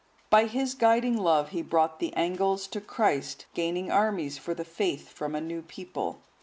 By his guiding love he brought the Angles to Christ, gaining armies for the Faith from a new people.